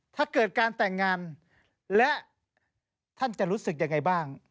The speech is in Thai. ถ้าเกิดการแต่งงานและท่านจะรู้สึกยังไงบ้าง